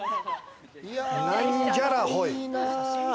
なんじゃらほい。